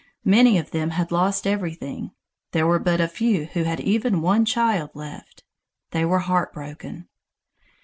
Many of them had lost everything; there were but a few who had even one child left. They were heartbroken.